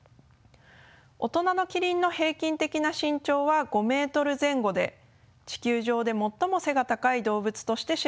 大人のキリンの平均的な身長は５ｍ前後で地球上で最も背が高い動物として知られています。